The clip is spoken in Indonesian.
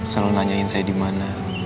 selalu nanyain saya di mana